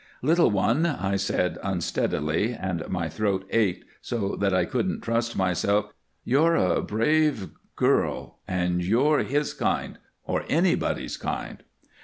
"Little one," I said, unsteadily, and my throat ached so that I couldn't trust myself, "you're a brave girl, and you're his kind or anybody's kind."